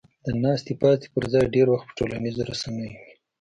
د ناستې پاستې پر ځای ډېر وخت په ټولنیزو رسنیو